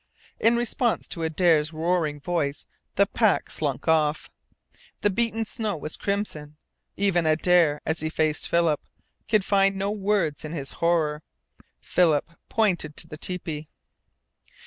In response to Adare's roaring voice the pack slunk off. The beaten snow was crimson. Even Adare, as he faced Philip, could find no words in his horror. Philip pointed to the tepee.